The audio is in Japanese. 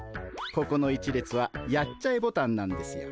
ここの１列はやっちゃえボタンなんですよ。